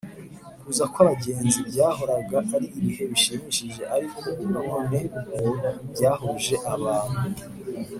kuza kw’abagenzi byahoraga ari ibihe bishimishije, ariko ubu noneho byahuruje abantu